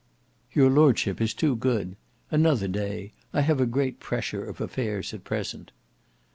"Your lordship is too good; another day: I have a great pressure of affairs at present."